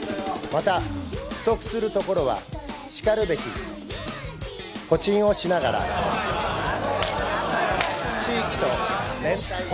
また不足するところはしかるべきホチンをしながら地域と連帯。